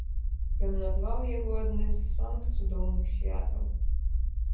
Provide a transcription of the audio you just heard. Ён назваў яго адным з самых цудоўных святаў.